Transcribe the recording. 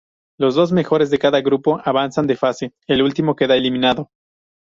Los dos mejores de cada grupo avanzan de fase, el último queda eliminado.